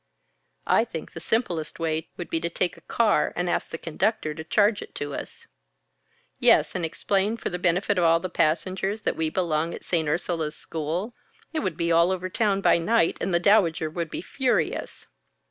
"I think the simplest way would be to take a car, and ask the conductor to charge it to us." "Yes and explain for the benefit of all the passengers that we belong at St. Ursula's School? It would be all over town by night, and the Dowager would be furious."